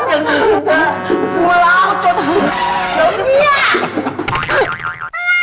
ตังเบี้ย